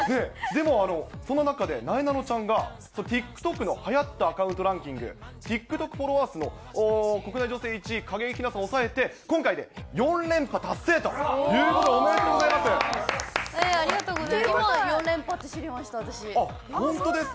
でもその中で、なえなのちゃんが、ＴｉｋＴｏｋの流行ったアカウントランキング、ＴｉｋＴｏｋの、国内女性１位、景井ひなさんを抑えて今回で４連覇達成ということで、おめでとうありがとうございます。